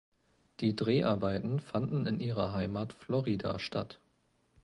Die Dreharbeiten fanden in ihrer Heimat Florida statt.